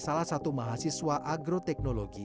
salah satu mahasiswa agroteknologi